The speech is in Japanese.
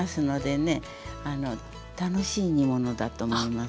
楽しい煮物だと思います。